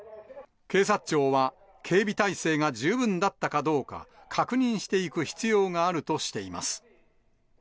警察庁は、警備体制が十分だったかどうか、確認していく必要があるとしています。